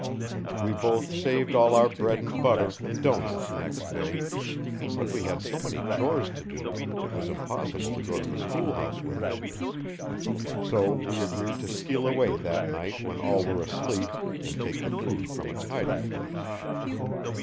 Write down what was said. We both saved all our bread and butter and doughnuts next day, but we had so many chores to do it was impossible to go to the schoolhouse with them. So we agreed to steal away that night when all were asleep and take the food from its hiding place.